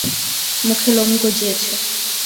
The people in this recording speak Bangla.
মুখে লোম গজিয়েছে।